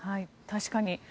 確かに。